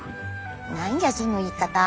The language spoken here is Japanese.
何やその言い方。